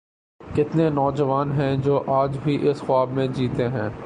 کتنے نوجوان ہیں جو آج بھی اسی خواب میں جیتے ہیں۔